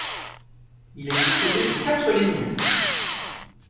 Il est composé de quatre lignes.